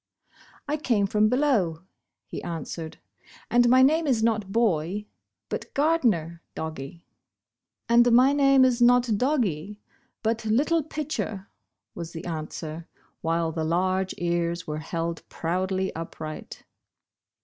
"I came from below," he answered, ''and my name is not Boy, but 'Gardner,' doggie." "And my name is not Doggie, but 'Little Pitcher,' " was the answer while the large ears were held proudly upright.